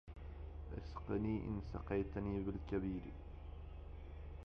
اسقني إن سقيتني بالكبير